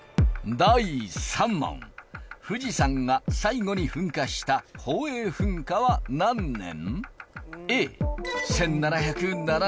第３問富士山が最後に噴火した宝永噴火は何年？